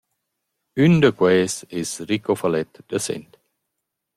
Ün da quels es Rico Falett da Sent.